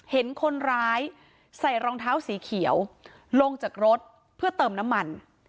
เห็นคนร้ายใส่รองเท้าสีเขียวลงจากรถเพื่อเติมน้ำมัน